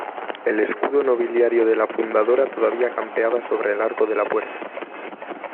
el escudo nobiliario de la fundadora todavía campeaba sobre el arco de la puerta.